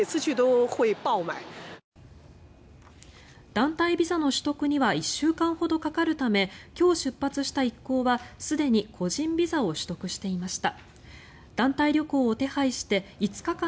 団体ビザの取得には１週間ほどかかるため今日出発した一行はすでに個人ビザを取得していました。